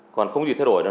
còn không gì thay đổi đâu